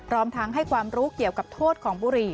รวมทั้งให้ความรู้เกี่ยวกับโทษของบุหรี่